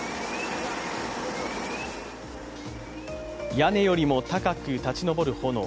屋根よりも高く立ち上る炎。